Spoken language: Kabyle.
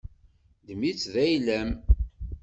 Ddem-itt d ayla-m.